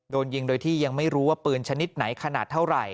โดนยิงโดยที่ยังไม่รู้ว่าปืนชนิดไหนขนาดเท่าไหร่